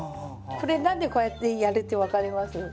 これ何でこうやってやるって分かります？